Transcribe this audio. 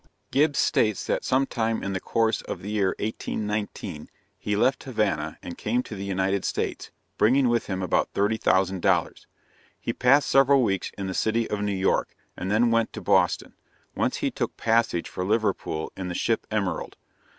Gibbs states that sometime in the course of the year 1819, he left Havana and came to the United States, bringing with him about $30,000. He passed several weeks in the city of New York, and then went to Boston, whence he took passage for Liverpool in the ship Emerald.